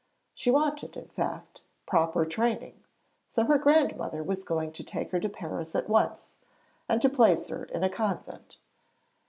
She wanted, in fact, proper training, so her grandmother was going to take her to Paris at once, and to place her in a convent.